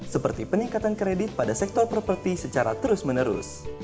seperti peningkatan kredit pada sektor properti secara terus menerus